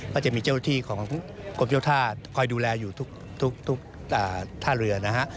ก็จะมีเจ้าที่ของกรมเจ้าท่าคอยดูแลอยู่ทุกท่าเรือนะฮะ